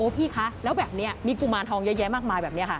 พี่คะแล้วแบบนี้มีกุมารทองเยอะแยะมากมายแบบนี้ค่ะ